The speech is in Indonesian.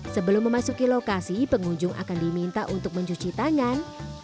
sebelum memasuki lokasi pengunjung akan diminta untuk mencuci tangan